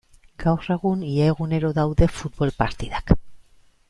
Gaur egun ia egunero daude futbol partidak.